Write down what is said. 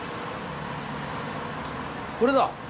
これだ。